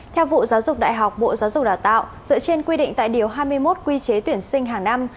theo vụ giáo dục đại học bộ giáo dục đào tạo dựa trên quy định tại điều hai mươi một quy chế tuyển sinh hàng năm